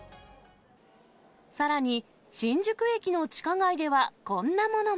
さらに、新宿駅の地下街では、こんなものも。